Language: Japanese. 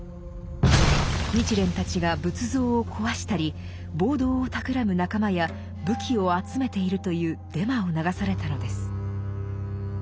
日蓮たちが仏像を壊したり暴動をたくらむ仲間や武器を集めているというデマを流されたのです。